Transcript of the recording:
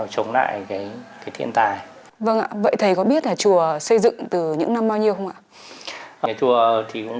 trở nên ấm áp rộn ràng